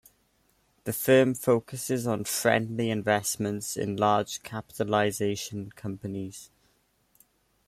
The firm focuses on friendly investments in large capitalization companies.